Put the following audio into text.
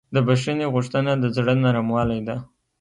د بښنې غوښتنه د زړه نرموالی ده.